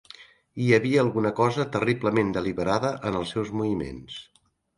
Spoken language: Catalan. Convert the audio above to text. Hi havia alguna cosa terriblement deliberada en els seus moviments.